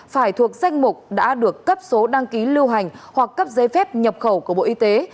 phải thuộc danh mục đã được cấp số đăng ký lưu hành hoặc cấp giấy phép nhập khẩu của bộ y tế